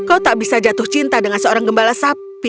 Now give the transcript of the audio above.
kau tak bisa jatuh cinta dengan seorang gembala sapi